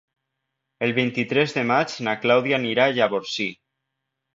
El vint-i-tres de maig na Clàudia anirà a Llavorsí.